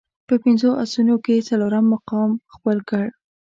په پنځو اسونو کې یې څلورم مقام خپل کړ.